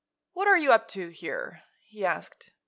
"What are you up to, here?" he asked.